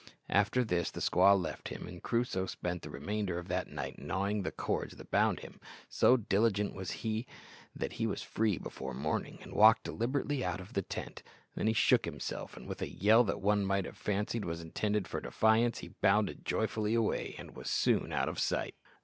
After this the squaw left him, and Crusoe spent the remainder of that night gnawing the cords that bound him. So diligent was he that he was free before morning and walked deliberately out of the tent. Then he shook himself, and with a yell that one might have fancied was intended for defiance he bounded joyfully away, and was soon out of sight.